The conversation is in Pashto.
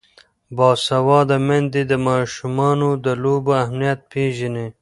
باسواده میندې د ماشومانو د لوبو اهمیت پېژني.